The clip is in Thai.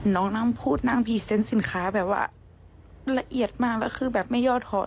น้องนั่งพูดนั่งพรีเซนต์สินค้าแบบว่าละเอียดมากแล้วคือแบบไม่ยอดหอ